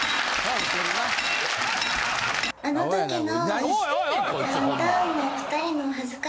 あの時の。